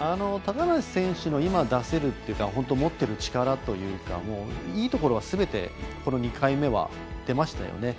高梨選手の今、出せるというか今、持ってる力というかいいところはすべてこの２回目は出ましたよね。